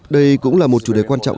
đây cũng là một chủ đề quan trọng